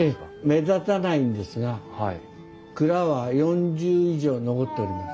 目立たないんですが蔵は４０以上残っております。